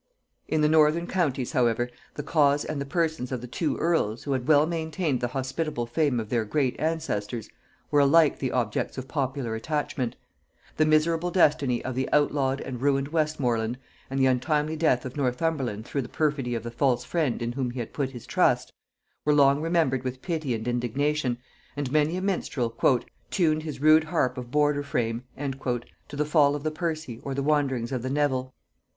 In the northern counties, however, the cause and the persons of the two earls, who had well maintained the hospitable fame of their great ancestors, were alike the objects of popular attachment: the miserable destiny of the outlawed and ruined Westmorland, and the untimely end of Northumberland through the perfidy of the false friend in whom he had put his trust, were long remembered with pity and indignation, and many a minstrel "tuned his rude harp of border frame" to the fall of the Percy or the wanderings of the Nevil.